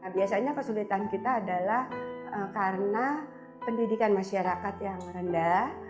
biasanya kesulitan kita adalah karena pendidikan masyarakat yang rendah